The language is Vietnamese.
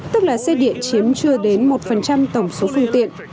tức là xe điện chiếm chưa đến một tổng số phương tiện